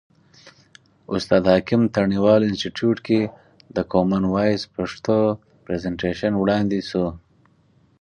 استاد حکیم تڼیوال انستیتیوت کې د کامن وایس پښتو پرزنټیشن وړاندې شو.